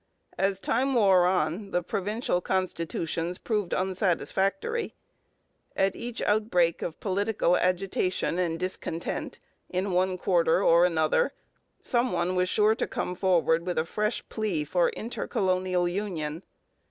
As time wore on, the provincial constitutions proved unsatisfactory. At each outbreak of political agitation and discontent, in one quarter or another, some one was sure to come forward with a fresh plea for intercolonial union.